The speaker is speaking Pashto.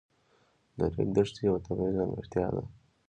د ریګ دښتې یوه طبیعي ځانګړتیا ده.